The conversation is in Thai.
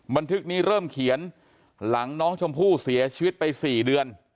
บันทึกนี้เริ่มเขียนหลังน้องชมพู่เสียชีวิตไป๔เดือน